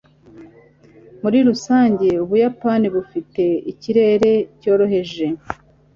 Muri rusange, Ubuyapani bufite ikirere cyoroheje.